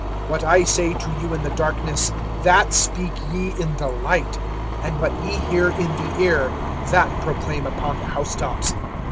(27)What I say to you in the darkness, that speak ye in the light; and what ye hear in the ear, that proclaim upon the house tops.